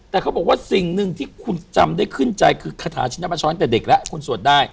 แต่เขาบอกว่าสิ่งหนึ่งที่คุณจำได้ขึ้นใจคือคาถาชินประชาตั้งแต่เด็กแล้วคุณสวดได้